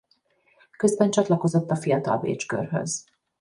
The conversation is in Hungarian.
Közben csatlakozott a Fiatal Bécs Körhöz.